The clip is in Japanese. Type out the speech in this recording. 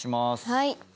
はい。